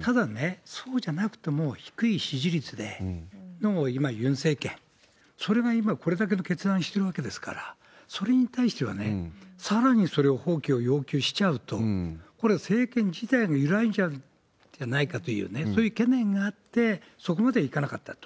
ただ、そうじゃなくても低い支持率での今、ユン政権、それが今これだけの決断をしているわけですから、それに対してはね、さらにそれを放棄を要求しちゃうと、これ、政権自体が揺らいじゃうんじゃないかというね、そういう懸念があって、そこまでいかなかったと。